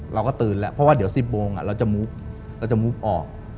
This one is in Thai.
เราก็ตื่นแล้วเพราะว่าเดี๋ยว๑๐โมงเราจะมุกเราจะมุกออก